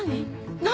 何？